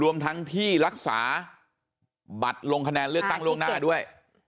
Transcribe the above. รวมทั้งที่รักษาบัตรลงคะแนนเลือกตั้งล่วงหน้าด้วย